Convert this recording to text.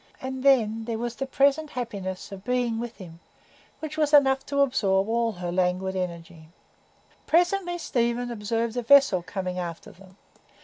And then there was the present happiness of being with him, which was enough to absorb all her languid energy. Presently Stephen observed a vessel coming after them.